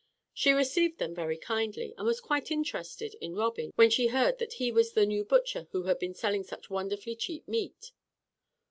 She received them very kindly, and was quite interested in Robin when she heard that he was the new butcher who had been selling such wonderfully cheap meat.